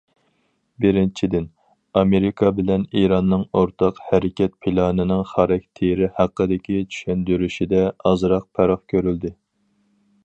بىرىنچىدىن، ئامېرىكا بىلەن ئىراننىڭ ئورتاق ھەرىكەت پىلانىنىڭ خاراكتېرى ھەققىدىكى چۈشەندۈرۈشىدە ئازراق پەرق كۆرۈلدى.